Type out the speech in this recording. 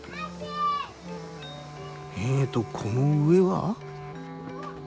えっとこの上は。